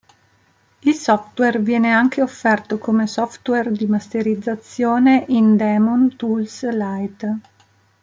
Il software viene anche offerto come software di masterizzazione in Daemon Tools Lite.